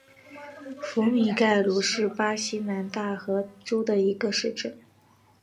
福米盖鲁是巴西南大河州的一个市镇。